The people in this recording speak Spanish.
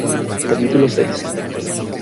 capítulo seis.